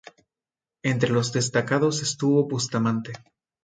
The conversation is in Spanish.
Entre los destacados estuvo Bustamante.